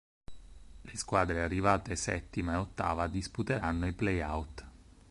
Le squadre arrivate settima e ottava disputeranno i Play-Out.